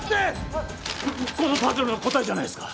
あっこのパズルの答えじゃないですか？